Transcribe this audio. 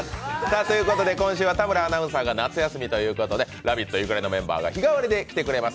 今週は田村アナウンサーが夏休みということで、「ラヴィット！」ゆかりのメンバーが日替わりで来てくれます。